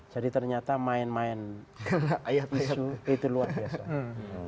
jadi ternyata main main isu itu luar biasa